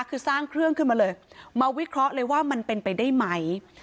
คือสร้างเครื่องขึ้นมาเลยมาวิเคราะห์เลยว่ามันเป็นไปได้ไหม